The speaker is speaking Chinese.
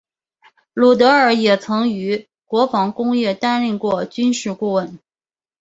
鲁德尔也曾于国防工业担任过军事顾问。